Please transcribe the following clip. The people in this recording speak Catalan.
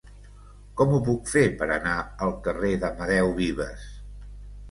Com ho puc fer per anar al carrer d'Amadeu Vives?